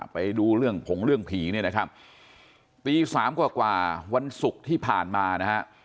ไปดูเรื่องผงเรื่องผีเนี่ยนะครับตีสามกว่าวันศุกร์ที่ผ่านมานะฮะ